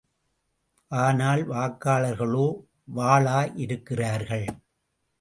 ஆனால் வாக்காளர்களோ வாளா இருக்கிறார்கள்!